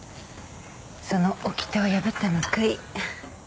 そのおきてを破った報い。